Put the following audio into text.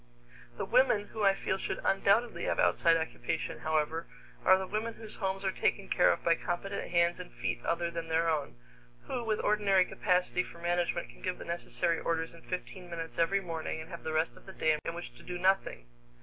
The women who I feel should undoubtedly have outside occupation, however, are the women whose homes are taken care of by competent hands and feet other than their own, who with ordinary capacity for management can give the necessary orders in fifteen minutes every morning and have the rest of the day in which to do nothing.